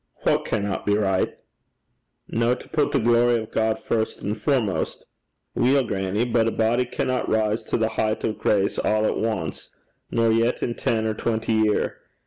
'What canna be richt?' 'No to put the glory o' God first and foremost.' 'Weel, grannie; but a body canna rise to the heicht o' grace a' at ance, nor yet in ten, or twenty year.